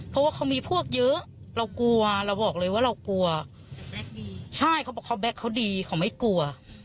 ใช่เขาบอกว่าแบ็คเขาดีเขาไม่กลัว